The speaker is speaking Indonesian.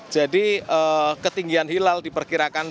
jadi ketinggian hilal diperkirakan berapa